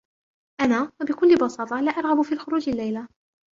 أنا ، و بكل بساطة ، لا أرغب في الخروج الليلة.